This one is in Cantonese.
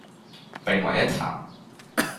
並為一談